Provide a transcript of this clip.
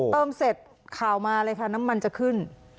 เติมเสร็จข่าวมาเลยค่ะน้ำมันจะขึ้น